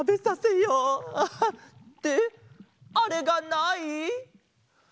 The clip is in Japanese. ってあれがない？